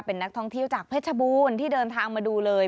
เป็นนักท่องเที่ยวจากเพชรบูรณ์ที่เดินทางมาดูเลย